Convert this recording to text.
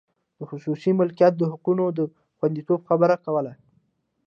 د خصوصي مالکیت د حقونو د خوندیتوب خبره کوله.